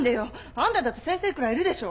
あんただって先生くらいいるでしょう！？